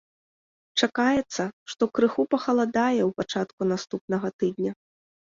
Чакаецца, што крыху пахаладае ў пачатку наступнага тыдня.